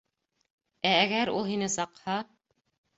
Ә әгәр ул һине саҡһа...